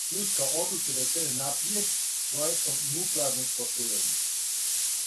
Турска одлучна да крене напријед с пројектом нуклеарног постројења